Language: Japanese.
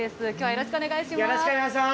よろしくお願いします。